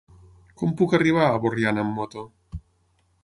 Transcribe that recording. Com puc arribar a Borriana amb moto?